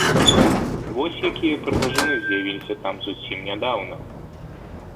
Вось якія прыгажуны з'явіліся там зусім нядаўна!